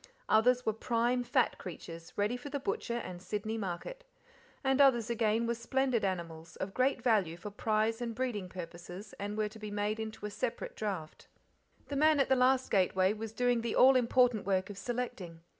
Others were prime, fat creatures, ready for the butcher and Sydney market. And others again were splendid animals, of great value for prize and breeding purposes, and were to be made into a separate draft. The man at the last gateway was doing the all important work of selecting.